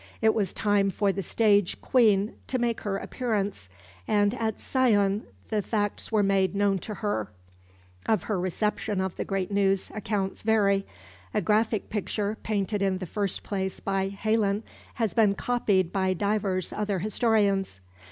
It was time for the stage Queen to make her appearance, and at Sion the facts were made known to her. Of her reception of the great news accounts vary. A graphic picture, painted in the first place by Heylyn, has been copied by divers other historians.